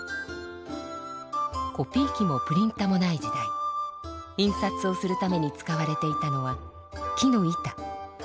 コピー機もプリンタもない時代印刷をするために使われていたのは木の板。